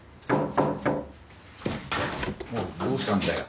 「おいどうしたんだよ？」